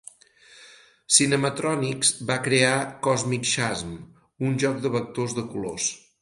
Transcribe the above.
Cinematronics va crear "Cosmic Chasm", un joc de vectors de colors.